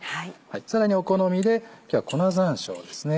さらにお好みで今日は粉山椒です。